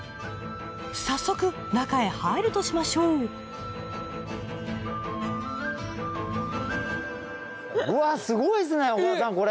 早速中へ入るとしましょううわすごいっすね岡田さんこれ。